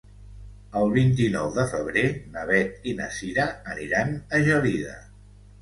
El vint-i-nou de febrer na Beth i na Cira aniran a Gelida.